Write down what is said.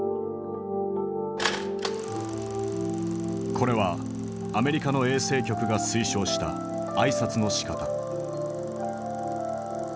これはアメリカの衛生局が推奨した挨拶のしかた。